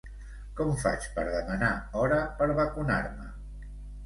Com faig per demanar hora per vacunar-me?